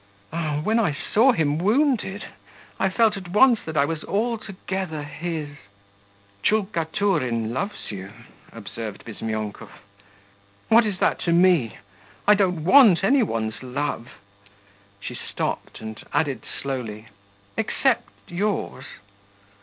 Ah, when I saw him wounded I felt at once that I was altogether his.' 'Tchulkaturin loves you,' observed Bizmyonkov. 'What is that to me? I don't want any one's love.'... She stopped and added slowly, 'Except yours.